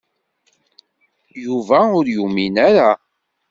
Yuba ur yumin ara Mary.